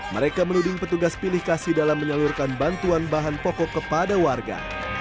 mereka menuding petugas pilih kasih dalam menyalurkan bantuan bahan pokok kepada warga